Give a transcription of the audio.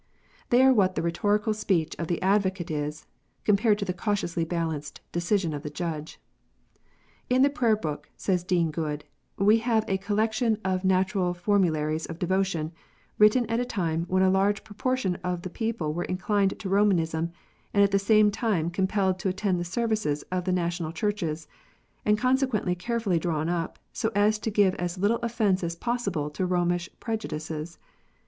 They are what the rhetorical speech of the advocate is, compared to the cautiously balanced decision of the judge. "In the Prayer book," says Dean Goode, "we have a collection of national formularies of devotion, written at a time when a large proportion of the people were inclined to Romanism, and at the same time compelled to attend the services of the national Churches, and consequently carefully drawn up, so as to give as little offence as possible to Romish prejudices.